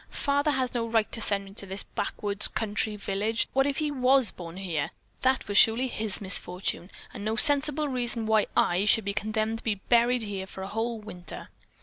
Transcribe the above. Father has no right to send me to this back woods country village. What if he was born here? That surely was his misfortune, and no sensible reason why I should be condemned to be buried here for a whole winter."